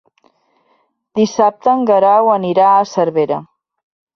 Dissabte en Guerau anirà a Cervera.